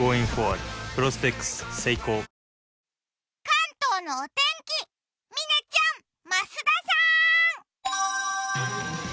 関東のお天気嶺ちゃん、増田さん。